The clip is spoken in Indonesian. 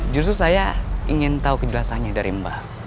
justru saya ingin tahu kejelasannya dari mbak